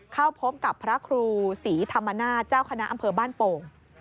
เข้าพบกับพระครูศรีธรรมนาศเจ้าคณะอำเภอบ้านโป่ง